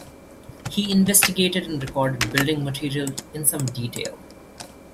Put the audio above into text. He investigated and recorded building materials in some detail.